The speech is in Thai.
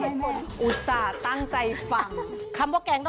คำว่าแกงนอกหม้อคือเขาแกงในกระทะแล้วไปเทใส่หม้อทุกอย่าง